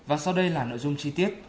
và sau đây là nội dung chi tiết